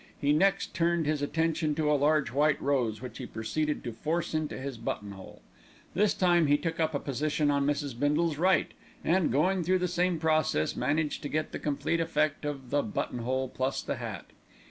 He next turned his attention to a large white rose, which he proceeded to force into his buttonhole. This time he took up a position on Mrs. Bindle's right and, going through the same process, managed to get the complete effect of the buttonhole plus the hat.